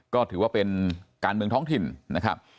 ก็ถือว่าเป็นการเมืองท้องถิ่นนะครับ